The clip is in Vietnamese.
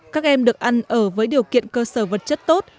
các em được ăn ở với điều kiện cơ sở vật chất tốt